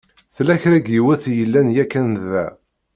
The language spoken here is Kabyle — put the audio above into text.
Tella kra n yiwet i yellan yakan da.